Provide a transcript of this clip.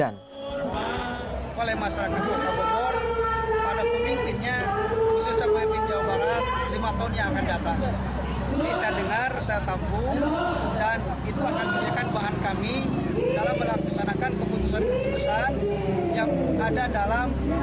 dan itu akan menjelaskan bahan kami dalam melaksanakan keputusan keputusan yang ada dalam sebuah visi misi rpjfd dan juga yang lainnya